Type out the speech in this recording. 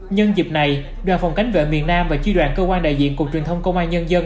nhân dịp này đoàn phòng cảnh vệ miền nam và chi đoàn cơ quan đại diện cục truyền thông công an nhân dân